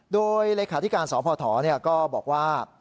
โดยเลขาธิการสพก็บอกว่า